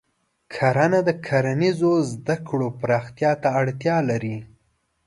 کرنه د کرنیزو زده کړو پراختیا ته اړتیا لري.